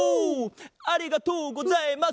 ありがとうございます！